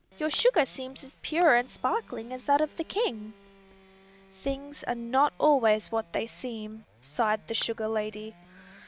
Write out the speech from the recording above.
"Your sugar seems as pure and sparkling as that of the king." "Things are not always what they seem," sighed the sugar lady.